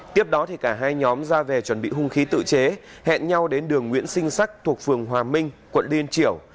tiếp đó cả hai nhóm ra về chuẩn bị hung khí tự chế hẹn nhau đến đường nguyễn sinh sắc thuộc phường hòa minh quận liên triểu